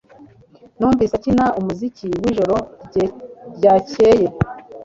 Numvise ukina umuziki mwijoro ryakeye.